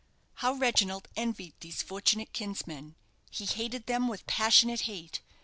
How Reginald envied these fortunate kinsmen! He hated them with passionate hate.